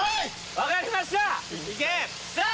分かりましたさあ